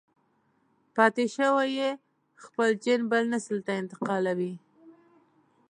پاتې شوی يې خپل جېن بل نسل ته انتقالوي.